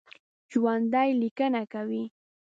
ژوندي لیکنه کوي